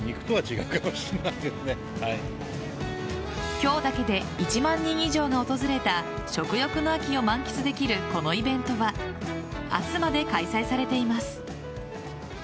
今日だけで１万人以上が訪れた食欲の秋を満喫できるこのイベントは明日まで開催されています。